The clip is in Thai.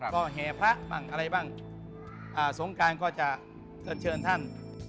ก็แห่พระบ้างอะไรบ้างสงการก็จะเชิญท่าน